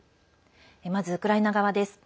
まず、ウクライナ側です。